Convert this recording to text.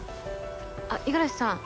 あっ五十嵐さん。